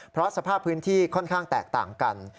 เพราะสภาพพื้นที่ค่อนข้างแตกต่างกัน